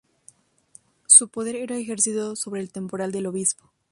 Su poder era ejercido sobre el temporal del obispo.